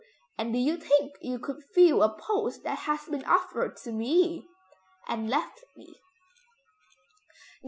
and do you think you could fill a post that has been offered to me?' and left me.